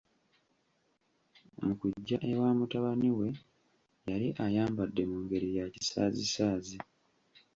Mu kujja ewa mutabani we yali ayambadde mu ngeri ya kisaazisaazi.